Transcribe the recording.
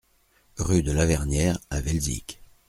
Rue de Lavernière à Velzic